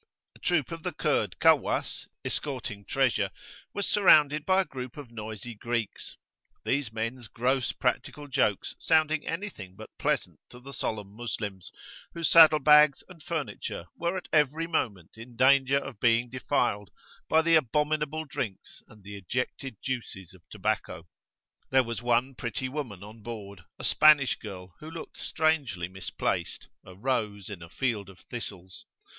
A troop of the Kurd Kawwas,[FN#5] escorting treasure, was surrounded by a group of noisy Greeks; these men's gross practical jokes sounding anything but pleasant to the solemn Moslems, whose saddle bags and furniture were at every moment in danger of being defiled by abominable drinks and the ejected juices of tobacco. There was one pretty woman on board, a Spanish girl, who looked strangely misplaced a rose in a field of thistles.